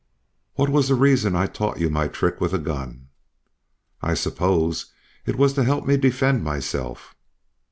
"What was the reason I taught you my trick with a gun?" "I suppose it was to help me to defend myself."